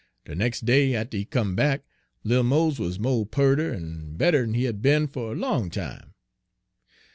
"De nex' day atter he come back, little Mose wuz mo' pearter en better'n he had be'n fer a long time.